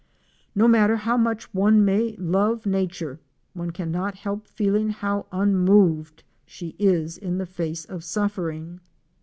No matter how much one may love Nature, one cannot help feeling how unmoved she is in the face of suffering.